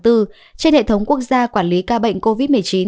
trên hệ thống quốc gia quản lý ca bệnh covid một mươi chín